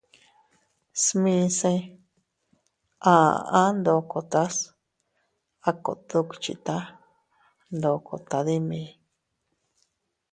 Smise a aʼa ndokotas a kot duckhita ndoko tadimi.